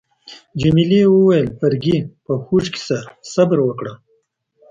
جميلې وويل: فرګي، په هوښ کي شه، صبر وکړه.